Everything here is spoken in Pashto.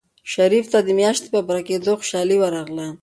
شریف ته د میاشتې په پوره کېدو خوشحالي ورغله.